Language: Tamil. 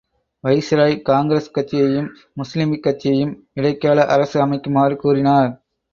வைசியராய் காங்கிரஸ் கட்சியையும் முஸ்லீம் லீக் கட்சியையும் இடைக்கால அரசு அமைக்குமாறு கூறினார்.